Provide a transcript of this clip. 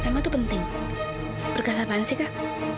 emang itu penting berkas apaan sih kak